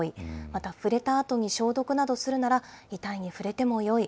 また、触れたあとに消毒などするなら、遺体に触れてもよい。